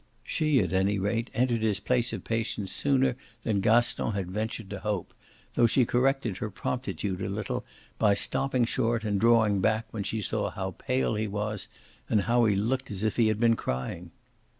She at any rate entered his place of patience sooner than Gaston had ventured to hope, though she corrected her promptitude a little by stopping short and drawing back when she saw how pale he was and how he looked as if he had been crying.